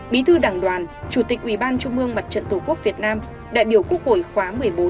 bí thư đảng đoàn chủ tịch ủy ban trung mương mặt trận tổ quốc việt nam đại biểu quốc hội khóa một mươi bốn